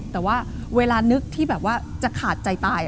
แต่ว่าเวลานึกที่แบบว่าจะขาดใจตาย